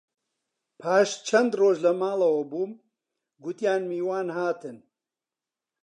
پاش چەند ڕۆژ لە ماڵەوە بووم، گوتیان میوان هاتن